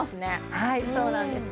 はいそうなんです